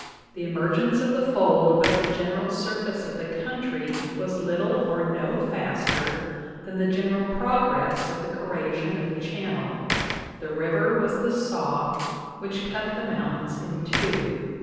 ... The emer gence of the fold above the general surface of the country was little or no faster than the general progress of the corrasion of the channel. ... The river was the saw which cut the mountains in two.